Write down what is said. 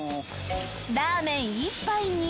ラーメン１杯に。